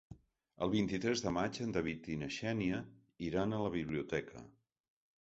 El vint-i-tres de maig en David i na Xènia iran a la biblioteca.